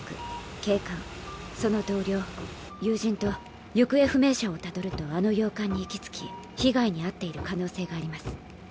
警官その同僚友人と行方不明者をたどるとあの洋館にいき着き被害に遭っている可能性があります。